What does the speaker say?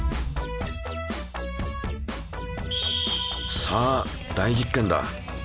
さあ大実験だ。